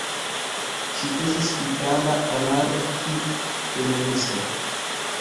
Ŝi estis itala anarki-feministo.